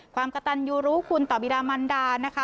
ความกระตันยูรุคุณตบิดามันดานะคะ